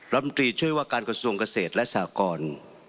ลำตรีช่วยว่าการกระทรวงเกษตรและสากร